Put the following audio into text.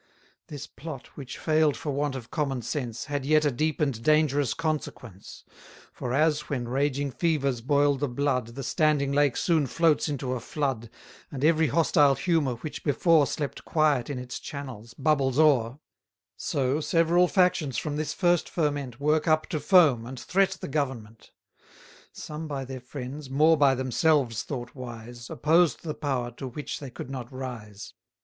This Plot, which fail'd for want of common sense, Had yet a deep and dangerous consequence: For as, when raging fevers boil the blood, The standing lake soon floats into a flood, And every hostile humour, which before Slept quiet in its channels, bubbles o'er; So several factions from this first ferment, 140 Work up to foam, and threat the government. Some by their friends, more by themselves thought wise, Opposed the power to which they could not rise.